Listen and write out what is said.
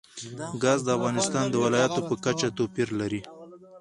ګاز د افغانستان د ولایاتو په کچه توپیر لري.